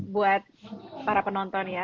buat para penonton ya